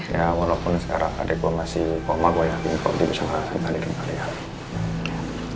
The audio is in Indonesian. ya walaupun sekarang adek gue masih koma gue yang informasi sama adek adek kalian